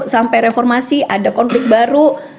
sampai reformasi ada konflik baru